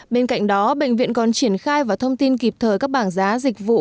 bên cạnh đó bệnh viện còn triển khai và thông tin kịp thời các bảng giá dịch vụ